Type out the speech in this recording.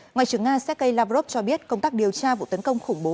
ngoại trưởng nga sergei lavrov cho biết công tác điều tra vụ tấn công khủng bố